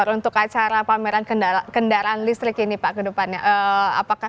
untuk acara pameran kendaraan listrik ini pak ke depannya